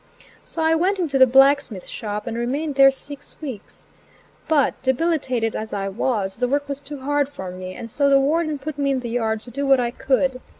So I went into the blacksmith shop, and remained their six weeks. But, debilitated as I was, the work was too hard for me, and so the warden put me in the yard to do what I could.